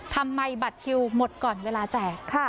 ทำไมบัตรคิวหมดก่อนเวลาแจก